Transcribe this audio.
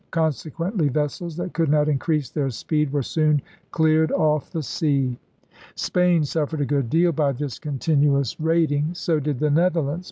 Con sequently vessels that could not increase their speed were soon cleared off the sea. Spain suffered a good deal by this continuous KING HENRY VIII 25 raiding. So did the Netherlands.